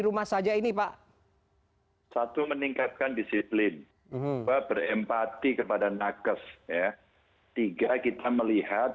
rumah saja ini pak satu meningkatkan disiplin pak berempati kepada nakes ya tiga kita melihat